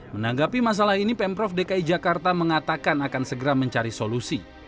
menanggapi masalah ini pemprov dki jakarta mengatakan akan segera mencari solusi